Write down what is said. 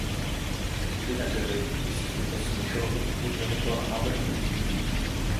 Kdyby nebyly, jistě by to snížilo hodnotu tohoto návrhu.